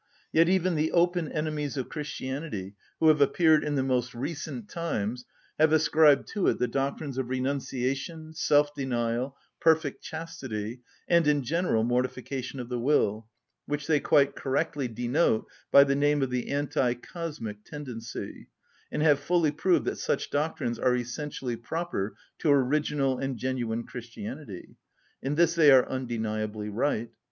Yet even the open enemies of Christianity who have appeared in the most recent times have ascribed to it the doctrines of renunciation, self‐denial, perfect chastity, and, in general, mortification of the will, which they quite correctly denote by the name of the "anti‐cosmic tendency," and have fully proved that such doctrines are essentially proper to original and genuine Christianity. In this they are undeniably right.